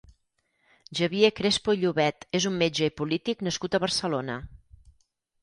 Xavier Crespo i Llobet és un metge i polític nascut a Barcelona.